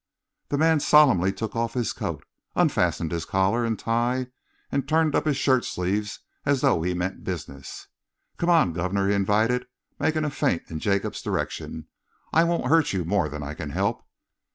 The man solemnly took off his coat, unfastened his collar and tie and turned up his shirt sleeves as though he meant business. "Come on, guv'nor," he invited, making a feint in Jacob's direction. "I won't hurt you more than I can help."